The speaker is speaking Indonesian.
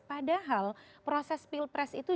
padahal proses pilpres itu